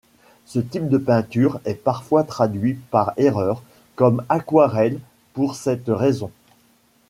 Ce type de peinture est parfois traduit par erreur comme aquarelle pour cette raison.